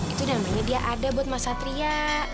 itu namanya dia ada buat mas satria